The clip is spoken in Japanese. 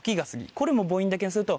これも母音だけにすると